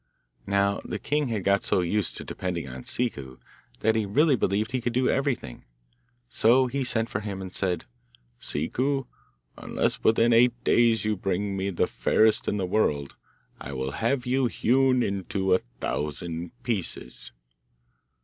Now the king had got so used to depending on Ciccu, that he really believed he could do everything. So he sent for him and said, 'Ciccu, unless within eight days you bring me the fairest in the whole world, I will have you hewn into a thousand pieces.